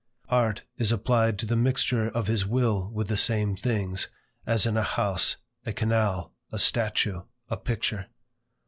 Art is applied to the mixture of his will with the same things, as in a house, a canal, a statue, a picture.